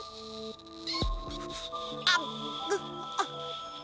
あっぐあっ。